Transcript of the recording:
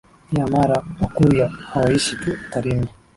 Pia Mara Wakurya hawaishi tu Tarime